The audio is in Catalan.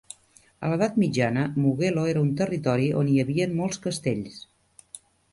A l"Edat mitjana, Mugello era un territori on hi havien molts castells.